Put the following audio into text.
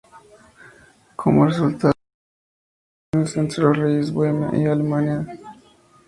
Como resultado, las relaciones entre los reyes de Bohemia y Alemania se vieron afectadas.